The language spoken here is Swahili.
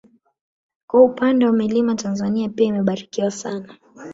Kwa upande wa milima Tanzania pia imebarikiwa sana